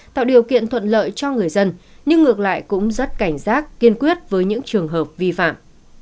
tạo điều kiện thuận lợi cho người dân nhưng ngược lại cũng rất cảnh giác kiên quyết với những trường hợp vi phạm